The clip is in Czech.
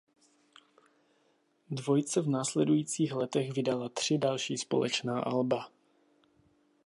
Dvojice v následujících letech vydala tři další společná alba.